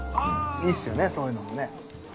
◆いいっすよね、そういうのもね。